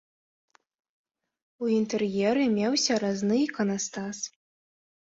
У інтэр'еры меўся разны іканастас.